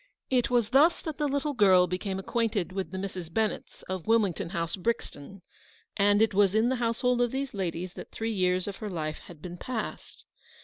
It was thus that the little girl became acquainted with the Misses Bennett of Wilmington House, Brixton; and it was in the household of these ladies that three years of her life had been passed.